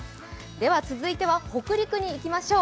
続いては北陸にいきましょう。